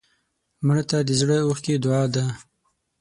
مړه ته د زړه اوښکې دعا ده